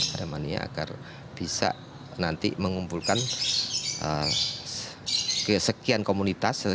aremania agar bisa nanti mengumpulkan kesekian komunitas